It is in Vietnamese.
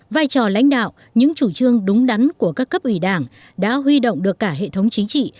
vai trò lãnh đạo những chủ trương đúng đắn của các cấp ủy đảng đã huy động được cả hệ thống chính trị